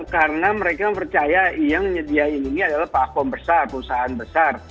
karena mereka percaya yang menyediakan ini adalah pak fomo besar perusahaan besar